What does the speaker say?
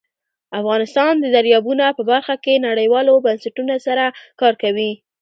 افغانستان د دریابونه په برخه کې نړیوالو بنسټونو سره کار کوي.